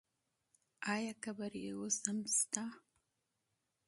آیا قبر یې اوس هم شته؟